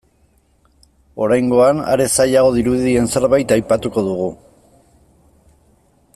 Oraingoan, are zailagoa dirudien zerbait aipatuko dugu.